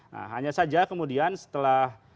nah hanya saja kemudian setelah